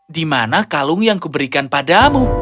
di mana kalung yang kuberikan padamu